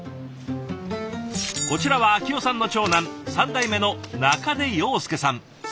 こちらは明代さんの長男３代目の中出庸介さん